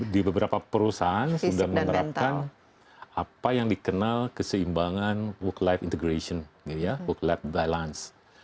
di beberapa perusahaan sudah menerapkan apa yang dikenal keseimbangan work life integration wook life balance